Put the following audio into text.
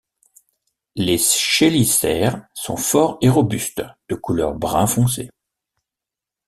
Les chélicères sont forts et robustes, de couleur brun foncé.